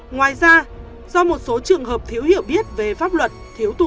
ngoài ra do một số trường hợp thiếu hiểu biết về pháp luật